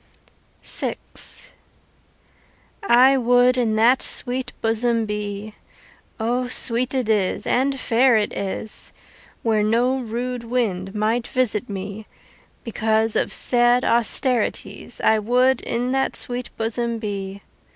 VI I would in that sweet bosom be (O sweet it is and fair it is!) Where no rude wind might visit me. Because of sad austerities I would in that sweet bosom be.